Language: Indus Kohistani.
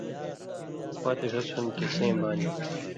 آں مہ پاتُو ڙھس ہُون٘دوۡ کھیں سِیں بانیۡ